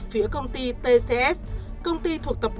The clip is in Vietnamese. phía công ty tcs công ty